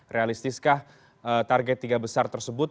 realistiskah target tiga besar tersebut